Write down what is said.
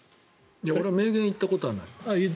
俺は名言を言ったことはない。